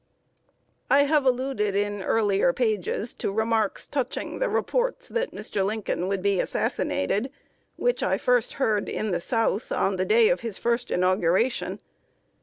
I have alluded in earlier pages, to remarks touching the reports that Mr. Lincoln would be assassinated, which I heard in the South, on the day of his first inauguration.